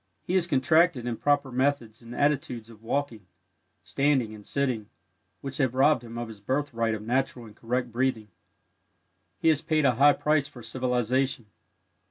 He has contracted improper methods and attitudes of walking, standing and sitting, which have robbed him of his birthright of natural and correct breathing. He has paid a high price for civilization.